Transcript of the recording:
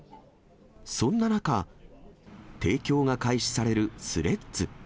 そんな中、提供が開始されるスレッズ。